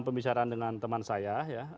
pembicaraan dengan teman saya